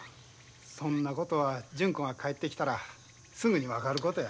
そんなことは純子が帰ってきたらすぐに分かることや。